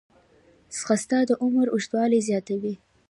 ځغاسته د عمر اوږدوالی زیاتوي